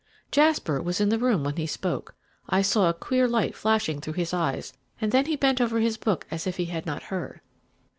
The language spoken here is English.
"Jasper was in the room when he spoke. I saw a queer light flashing through his eyes, and then he bent over his book as if he had not heard.